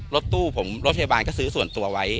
รถตู้ผมรถพยาบาลก็ซื้อส่วนตัวไว้